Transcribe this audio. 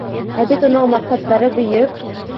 Ә бит уның маҡсаттары бөйөк!